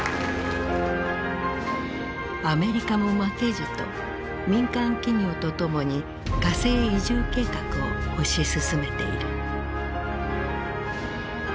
アメリカも負けじと民間企業と共に火星移住計画を推し進めている。